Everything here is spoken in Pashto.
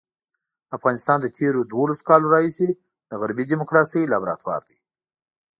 افغانستان له تېرو دولسو کالو راهیسې د غربي ډیموکراسۍ لابراتوار دی.